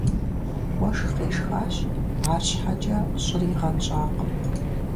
Уэшх къешхащ, арщхьэкӏэ щӏыр игъэнщӏакъым.